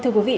thưa quý vị